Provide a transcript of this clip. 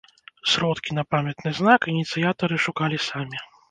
Сродкі на памятны знак ініцыятары шукалі самі.